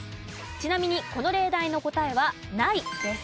ちなみにこの例題の答えは「ない」です。